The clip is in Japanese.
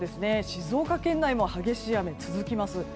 静岡県内も激しい雨が続きます。